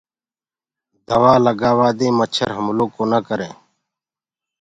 دوآ لگآوآ دي مڇر هملو ڪونآ ڪرينٚ۔